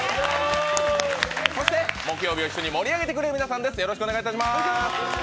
そして、木曜日を一緒に盛り上げてくれる皆さんです。